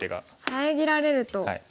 遮られると。